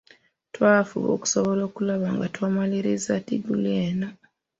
Twafuba okusobola okulaba nga tumaliriza ddiguli eno.